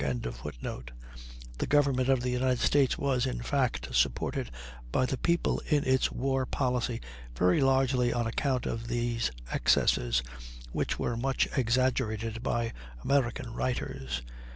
"] The government of the United States was, in fact, supported by the people in its war policy very largely on account of these excesses, which were much exaggerated by American writers.